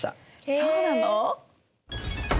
そうなの！？